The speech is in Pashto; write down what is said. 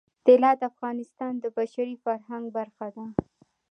طلا د افغانستان د بشري فرهنګ برخه ده.